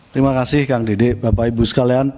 terima kasih kang dede bapak ibu sekalian